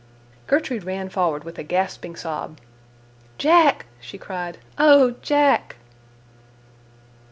Gertrude ran forward with a gasping sob. "Jack," she cried, "oh, Jack!"